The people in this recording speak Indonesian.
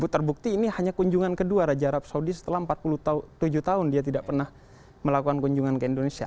terbukti ini hanya kunjungan kedua raja arab saudi setelah empat puluh tujuh tahun dia tidak pernah melakukan kunjungan ke indonesia